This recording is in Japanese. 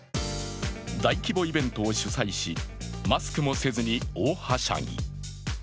大規模イベントを主催しマスクもせずに大はしゃぎ。